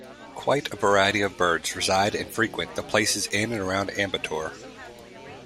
Quite a variety of birds reside and frequent the places in and around Ambattur.